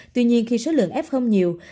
tuy nhiên khi số lượng f nhiều